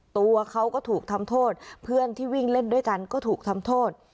ตัวเขาก็ถูกทำโทษเพื่อนที่วิ่งเล่นด้วยกันก็ถูกทำโทษ